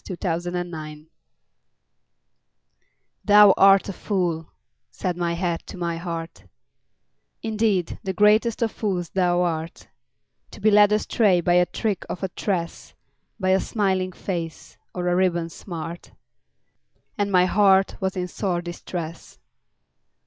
Paul Laurence Dunbar Retort THOU art a fool," said my head to my heart, "Indeed, the greatest of fools thou art, To be led astray by trick of a tress, By a smiling face or a ribbon smart;" And my heart was in sore distress.